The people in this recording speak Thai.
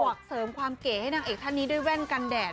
เสริมความเก๋ให้นางเอกท่านนี้ด้วยแว่นกันแดด